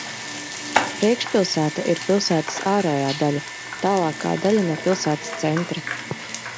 Priekšpilsēta ir pilsētas ārējā daļa, tālākā daļa no pilsētas centra.